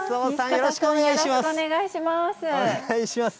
よろしくお願いします。